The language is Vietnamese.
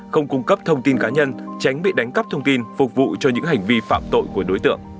không cung cấp thông tin cá nhân tránh bị đánh cắp thông tin phục vụ cho những hành vi phạm tội của đối tượng